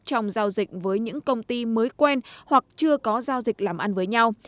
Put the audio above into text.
trong giao dịch với những công ty mới quen hoặc chưa có giao dịch làm ăn với nhau